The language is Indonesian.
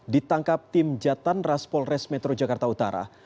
ditangkap tim jatan raspol res metro jakarta utara